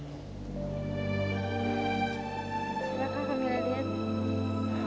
silahkan kamila dia